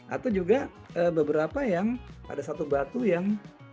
atau juga beberapa yang ada satu batu yang